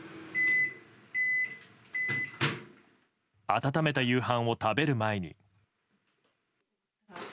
温めた夕飯を食べる前に。